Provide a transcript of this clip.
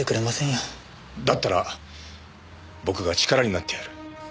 だったら僕が力になってやる。